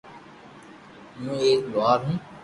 ھون ايڪ لوھار ھون